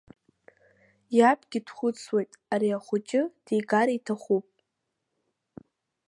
Иабгьы дхәыцуеит, ари ахәыҷы дигар иҭахуп.